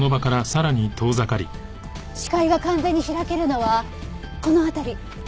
視界が完全に開けるのはこの辺り。